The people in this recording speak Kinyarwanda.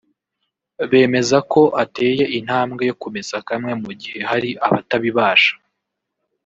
bemeza ko ateye intambwe yo kumesa kamwe mu gihe hari abatabibasha